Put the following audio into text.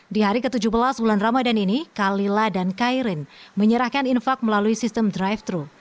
di hari ke tujuh belas bulan ramadan ini kalila dan kairin menyerahkan infak melalui sistem drive thru